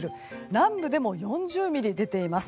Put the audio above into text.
南部でも４０ミリ出ています。